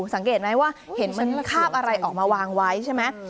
สังเกตไหมว่าเห็นเหมือนคาบอะไรออกมาวางไว้ใช่ไหม